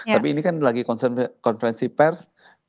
tapi ini kan lagi konferensi pers